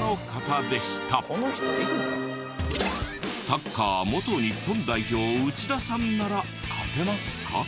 サッカー元日本代表内田さんなら勝てますか？